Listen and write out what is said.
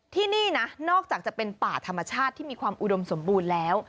ที่นี่นะนอกจากจะเป็นป่าธรรมชาติที่มีความอุดมสมบูรณ์แล้ว